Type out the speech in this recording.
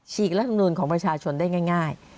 กรัฐมนูลของประชาชนได้ง่าย